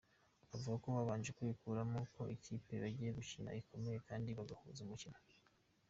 Avuga ko babanje kwikuramo ko ikipe bagiye gukina ikomeye, kandi bagahuza umukino.